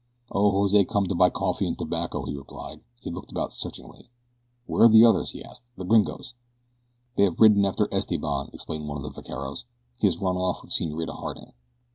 "Oh, Jose come to buy coffee and tobacco," he replied. He looked about searchingly. "Where are the others?" he asked, " the gringos?" "They have ridden after Esteban," explained one of the vaqueros. "He has run off with Senorita Harding."